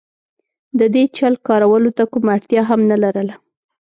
د دې چل کارولو ته کومه اړتیا هم نه لرله.